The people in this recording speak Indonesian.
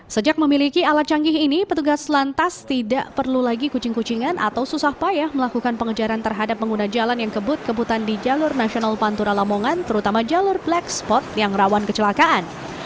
sejak memiliki alat canggih ini petugas lantas tidak perlu lagi kucing kucingan atau susah payah melakukan pengejaran terhadap pengguna jalan yang kebut kebutan di jalur nasional pantura lamongan terutama jalur black spot yang rawan kecelakaan